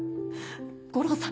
悟郎さん